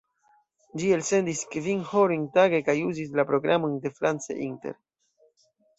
Ĝi elsendis kvin horojn tage kaj uzis la programojn de France Inter.